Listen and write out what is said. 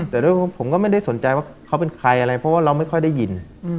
แต่ด้วยผมก็ไม่ได้สนใจว่าเขาเป็นใครอะไรเพราะว่าเราไม่ค่อยได้ยิน